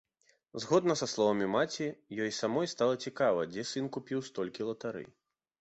Згодна са словамі маці, ёй самой стала цікава, дзе сын купіў столькі латарэй.